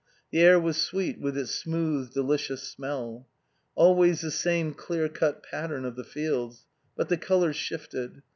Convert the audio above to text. The air was sweet with its smooth, delicious smell. Always the same clear cut pattern of the fields; but the colors shifted.